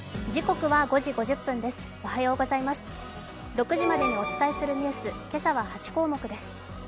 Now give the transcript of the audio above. ６時までにお伝えするニュース、今朝は８項目です。